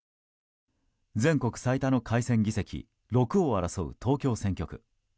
全国最多の改選議席６を争う東京選挙区。